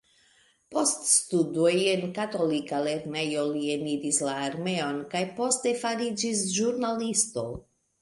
Post studoj en katolika lernejo, li eniris la armeon, kaj poste fariĝis ĵurnalisto.